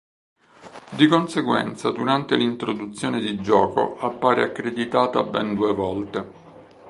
Di conseguenza durante l'introduzione di gioco appare accreditata ben due volte.